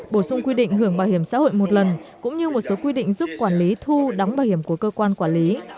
bổ sung quy định hưởng bảo hiểm xã hội một lần cũng như một số quy định giúp quản lý thu đóng bảo hiểm của cơ quan quản lý